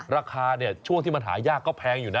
ราคาช่วงที่มันหายากก็แพงอยู่นะ